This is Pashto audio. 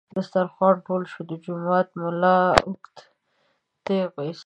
دسترخوان ټول شو، د جومات ملا اوږد ټېغ ویست.